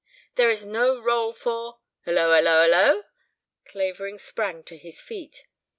There is no rôle for " "Hullo! Hullo! Hullo!" Clavering sprang to his feet.